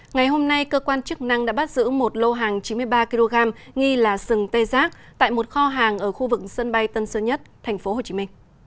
ngày hôm nay cơ quan chức năng đã bắt giữ một lô hàng chín mươi ba kg nghi là sừng tê giác tại một kho hàng ở khu vực sân bay tân sơn nhất tp hcm